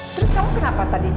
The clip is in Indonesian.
terus kamu kenapa tadi